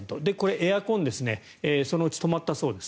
エアコンそのうち止まったそうです。